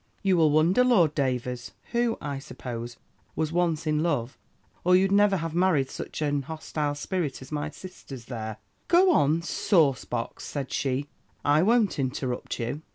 "You will wonder, Lord Davers, who, I suppose, was once in love, or you'd never have married such an hostile spirit as my sister's there " "Go on, sauce box," said she, "I won't interrupt you."